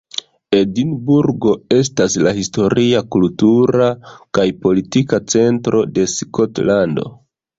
Edinburgo estas la historia, kultura kaj politika centro de Skotlando.